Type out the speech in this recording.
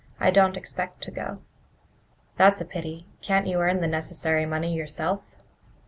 I don't expect to go." "That's a pity. Can't you earn the necessary money yourself?"